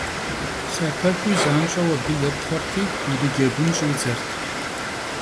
Lhapexui zanş'eu abı yêpxhuerti yiricegun ş'idzert.